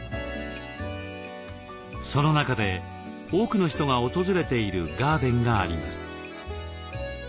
その中で多くの人が訪れているガーデンがあります。